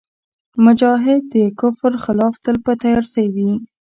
مجاهد د کفر خلاف تل په تیارسئ وي.